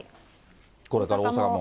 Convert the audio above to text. これから大阪も。